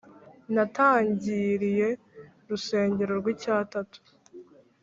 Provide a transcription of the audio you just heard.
natangiiriye rusengo rw’icy’atatu